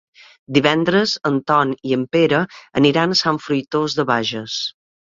Divendres en Ton i en Pere aniran a Sant Fruitós de Bages.